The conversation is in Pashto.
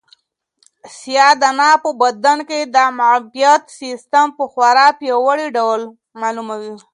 سیاه دانه په بدن کې د معافیت سیسټم په خورا پیاوړي ډول فعالوي.